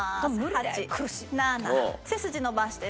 ８７背筋伸ばして。